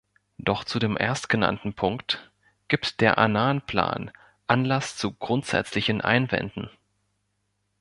Doch zu dem erstgenannten Punkt gibt der Annan-Plan Anlass zu grundsätzlichen Einwänden.